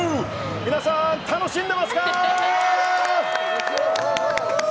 皆さん、楽しんでますか？